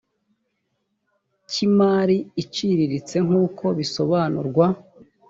cy imari iciriritse nk uko bisobanurwa